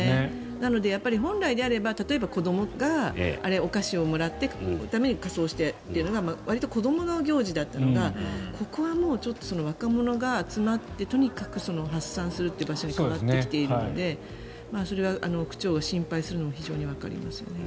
なので、本来であれば子どもがお菓子をもらうために仮装してというわりと子どもの行事だったのがここは若者が集まってとにかく発散するという場所に変わってきているのでそれは区長が心配するのも非常にわかりますよね。